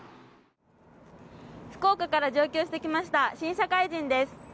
福岡から上京してきました新社会人です。